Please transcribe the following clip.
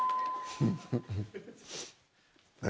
何？